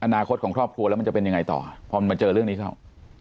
อนาคตของครอบครัวแล้วมันจะเป็นยังไงต่อพอมันมาเจอเรื่องนี้เข้า